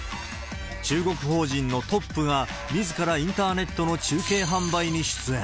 中国法人のトップが、みずからインターネットの中継販売に出演。